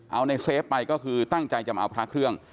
เอาในเซฟไปก็คือตั้งใจจะมาเอาพระเครื่อง